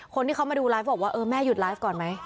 คนที่เขามาดูไลฟ์บอกว่าเออแม่หยุดไลฟ์ก่อนไหม